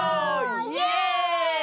イエーイ！